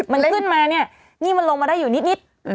มันขึ้นมาเนี่ยนี่มันลงมาได้อยู่นิด